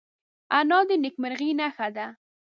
انا د نیکمرغۍ نښه ده